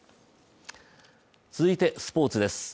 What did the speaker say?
続いてスポーツです。